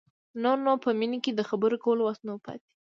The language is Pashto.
نور نو په مينې کې د خبرو کولو وس نه و پاتې.